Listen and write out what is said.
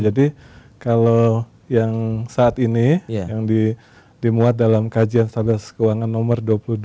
jadi kalau yang saat ini yang dimuat dalam kajian stabilitas keuangan nomor dua puluh dua